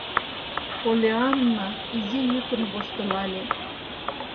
Поллианна изи йӱкын воштылале.